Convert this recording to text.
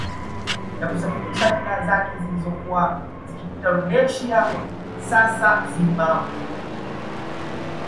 Ya kusafirisha bidhaa zake zilizokuwa zikipitia Rhodesia sasa Zimbabwe